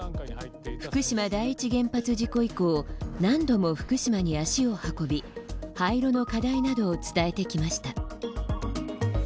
福島第一原発事故以降何度も福島に足を運び廃炉の課題などを伝えてきました。